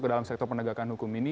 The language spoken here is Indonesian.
ke dalam sektor penegakan hukum ini